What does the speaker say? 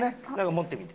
持ってみて。